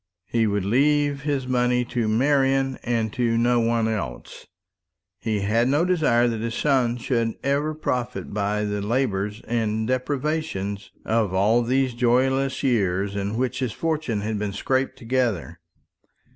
He would leave his money to Marian, and to no one else. He had no desire that his son should ever profit by the labours and deprivations of all those joyless years in which his fortune had been scraped together.